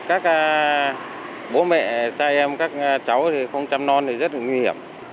các bố mẹ trai em các cháu không chăm non thì rất là nguy hiểm